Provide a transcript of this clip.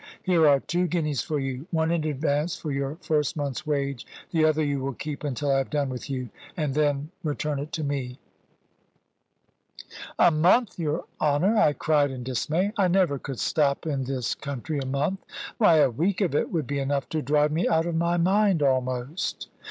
Here are two guineas for you one in advance for your first month's wage; the other you will keep until I have done with you, and then return it to me." "A month, your honour!" I cried in dismay. "I never could stop in this country a month. Why, a week of it would be enough to drive me out of my mind almost."